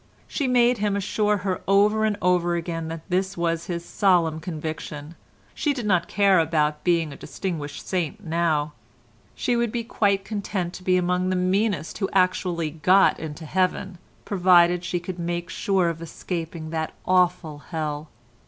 She made him assure her over and over again that this was his solemn conviction; she did not care about being a distinguished saint now; she would be quite content to be among the meanest who actually got into heaven, provided she could make sure of escaping that awful Hell.